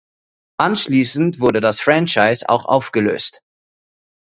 Anschließend wurde das Franchise auch aufgelöst.